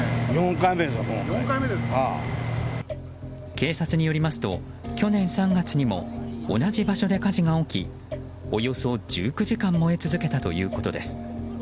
警察によりますと去年３月にも同じ場所で火事が起きおよそ１９時間燃え続けたということです。